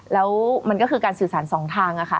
แล้วมันก็คือการสื่อสารสองทางค่ะ